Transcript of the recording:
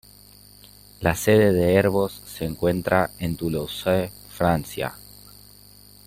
La sede de Airbus se encuentra en Toulouse, Francia.